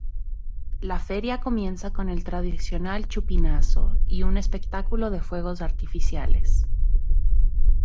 La feria comienza con el tradicional chupinazo y un espectáculo de fuegos artificiales.